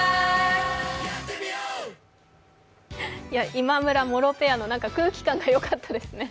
今村・茂呂ペアの空気感がよかったですね。